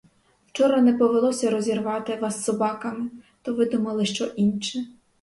Вчора не повелося розірвати вас собаками, то видумали що інше.